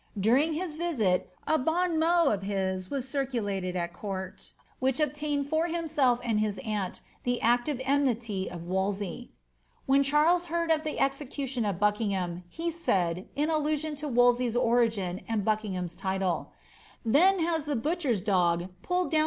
During his visit, a bon mot of his was circulated at court, which obtained for himself and bis aunt the active enmity of Wolsey. When Charles heard of the execa tion o^ Buckingham, he said, in allusion to Wolsey's origin and Budt* Ingham's title, ^ Then has Uie butcher's dog pulled down the birert Buck in Christendom."